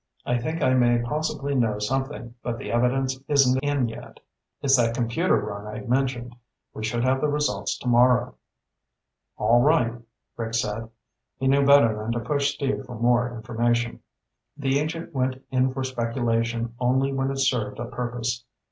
I think I may possibly know something, but the evidence isn't in yet. It's that computer run I mentioned. We should have the results tomorrow." "All right," Rick said. He knew better than to push Steve for more information. The agent went in for speculation only when it served a purpose.